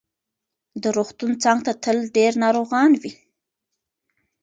د روغتون څنګ ته تل ډېر ناروغان وي.